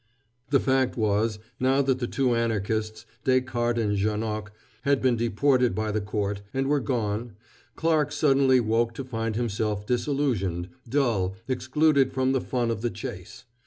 The fact was, now that the two Anarchists, Descartes and Janoc, had been deported by the Court, and were gone, Clarke suddenly woke to find himself disillusioned, dull, excluded from the fun of the chase.